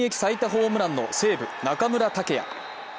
ホームランの西武・中村剛也。